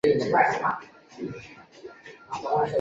父亲是织田信秀。